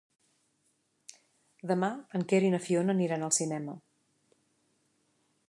Demà en Quer i na Fiona aniran al cinema.